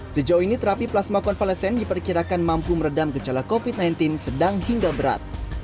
sejauh ini terapi plasma konvalesen diperkirakan mampu meredam gejala covid sembilan belas sedang hingga berat